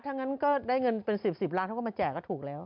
ถ้าได้เงินเป็นสิบล้างเขาก็มาแจกก็ถูกแล้ว